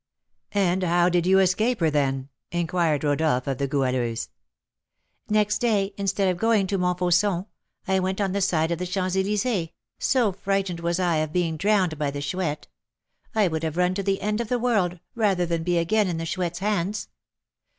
"And how did you escape her then?" inquired Rodolph of the Goualeuse. "Next day, instead of going to Montfauçon, I went on the side of the Champs Elysées, so frightened was I of being drowned by the Chouette. I would have run to the end of the world, rather than be again in the Chouette's hands.